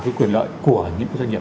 cái quyền lợi của những doanh nghiệp